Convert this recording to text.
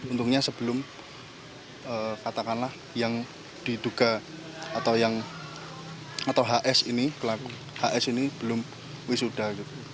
untungnya sebelum katakanlah yang diduga atau yang atau hs ini belum wisuda